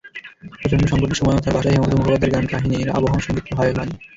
প্রচণ্ড সংকটের সময়ও তাঁর বাসায় হেমন্ত মুখোপাধ্যায়ের গান কাহিনির আবহসংগীত হয়ে বাজে।